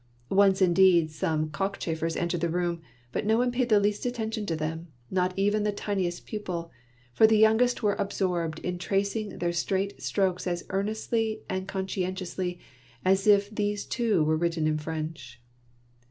Once, indeed, some cockchafers entered the room, but no one paid the least attention to them, not even the tiniest pupil ; for the youngest were absorbed in tracing their straight strokes as earnestly and cp:^ scientiously as if these too were written in French